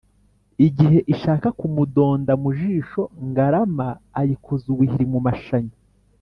Igihe ishaka kumudonda mu jisho, Ngarama ayikoza ubuhiri mu mashanya